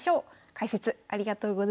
解説ありがとうございました。